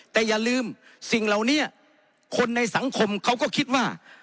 แต่อย่าลืมสิ่งเหล่านี้คนในสังคมเขาก็คิดว่า